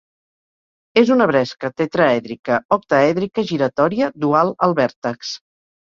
És una bresca tetraèdrica-octaèdrica giratòria dual al vèrtex.